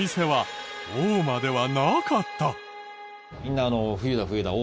みんな。